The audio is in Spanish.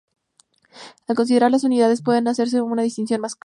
Al considerar las unidades puede hacerse una distinción más clara.